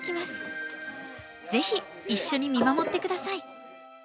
ぜひ一緒に見守って下さい。